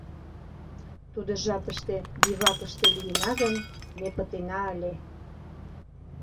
Тудо жапыште бивакыште лийына гын, ме пытена ыле.